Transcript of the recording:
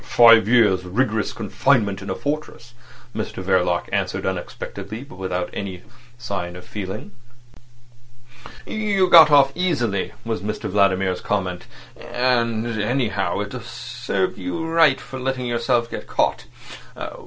"Five years' rigorous confinement in a fortress," Mr Verloc answered unexpectedly, but without any sign of feeling. "You got off easily," was Mr Vladimir's comment. "And, anyhow, it served you right for letting yourself get caught.